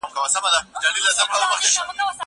زه اجازه لرم چي کتابتون ته راشم!!